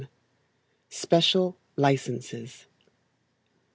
Special Licences.